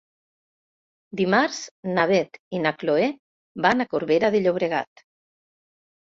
Dimarts na Beth i na Chloé van a Corbera de Llobregat.